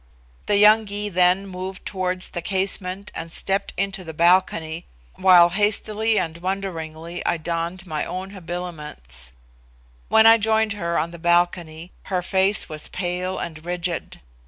The young Gy then moved towards the casement and stepped into the balcony, while hastily and wonderingly I donned my own habiliments. When I joined her on the balcony, her face was pale and rigid.